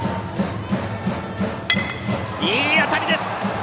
いい当たりです！